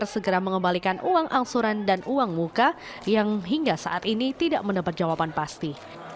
segera mengembalikan uang angsuran dan uang muka yang hingga saat ini tidak mendapat jawaban pasti